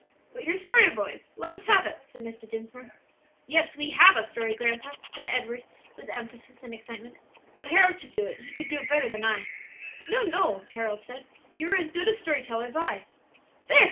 "But your story, boys; let us have it," said Mr. Dinsmore. "Yes, we have a story, grandpa," said Edward, with emphasis and excitement; "but Harold should tell it; he could do it better than I." "No, no," Harold said; "you are as good a story teller as I." "There!"